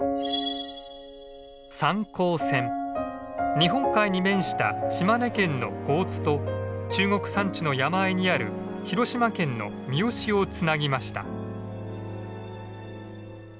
日本海に面した島根県の江津と中国山地の山あいにある広島県の三次をつなぎました。